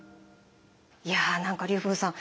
いや何か龍文さん